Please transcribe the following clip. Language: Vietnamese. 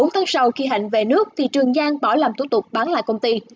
bốn tháng sau khi hạnh về nước thì trường giang bỏ làm thủ tục bán lại công ty